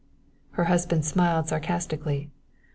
Her husband smiled sarcastically.